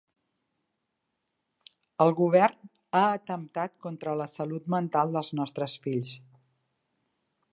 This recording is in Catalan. “El govern ha atemptat contra la salut mental dels nostres fills”